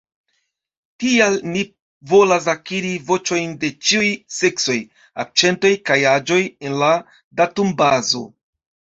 Tial ni volas akiri voĉojn de ĉiuj seksoj, akĉentoj kaj aĝoj en la datumbazo.